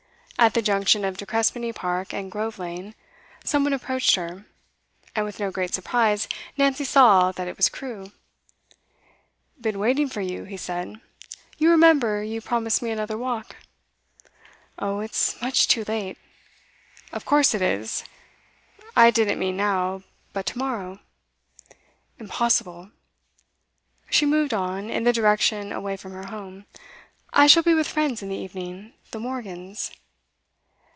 At the junction of De Crespigny Park and Grove Lane, some one approached her, and with no great surprise Nancy saw that it was Crewe. 'Been waiting for you,' he said. 'You remember you promised me another walk.' 'Oh, it's much too late.' 'Of course it is. I didn't mean now. But to morrow.' 'Impossible.' She moved on, in the direction away from her home. 'I shall be with friends in the evening, the Morgans.